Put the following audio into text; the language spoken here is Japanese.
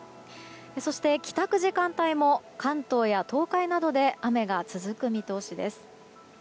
そして、帰宅時間帯も関東や東海などで雨が続く見通しです。